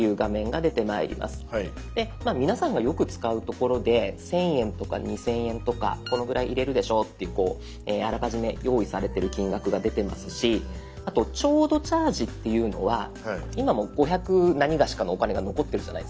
で皆さんがよく使うところで１，０００円とか２，０００円とかこのぐらい入れるでしょうっていうあらかじめ用意されてる金額が出てますしあと「ちょうどチャージ」っていうのは今も５００なにがしかのお金が残ってるじゃないですか。